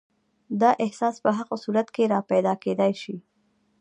دا احساس په هغه صورت کې راپیدا کېدای شي.